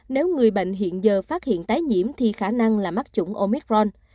nếu người bệnh hiện giờ phát hiện tái nhiễm thì khả năng là mắc chủng omicron